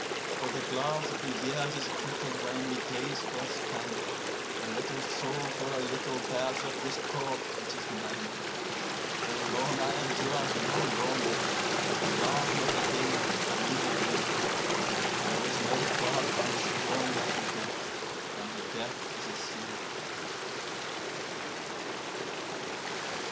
107For the glass of the years is brittle wherein we gaze for a span;108A little soul for a little bears up this corpse which is man.109So long I endure, no longer; and laugh not again, neither weep.110For there is no God found stronger than death; and death is a sleep.